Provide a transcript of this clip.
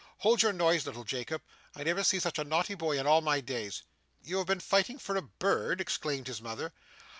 Hold your noise, little Jacob. I never see such a naughty boy in all my days!' 'You have been fighting for a bird!' exclaimed his mother.